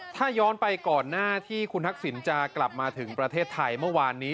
ถ้าย้อนไปก่อนหน้าที่คุณทักษิณจะกลับมาถึงประเทศไทยเมื่อวานนี้